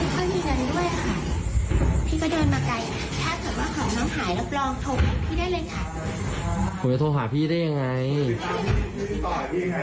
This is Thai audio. พี่พี่ยอมรับพี่อยากให้น้องไปส่งที่บ้านดิค่ะ